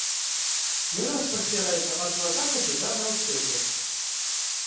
Ён распасціраецца ад на захадзе да на ўсходзе.